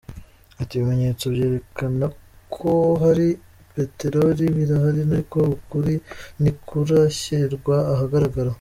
Ati “Ibimenyetso byerekana ko hari petelori birahari ariko ukuri ntikurashyirwa ahagaragara.